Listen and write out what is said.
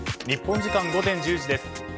日本時間午前１０時です。